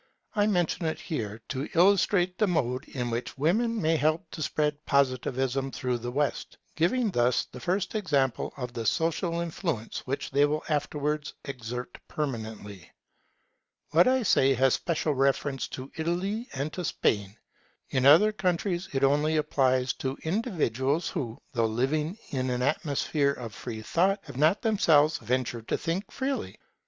I mention it here, to illustrate the mode in which women may help to spread Positivism through the West; giving thus the first example of the social influence which they will afterwards exert permanently. What I say has special reference to Italy and to Spain. In other countries it only applies to individuals who, though living in an atmosphere of free thought, have not themselves ventured to think freely.